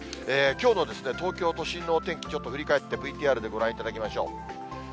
きょうの東京都心の天気、ちょっと振り返ってＶＴＲでご覧いただきましょう。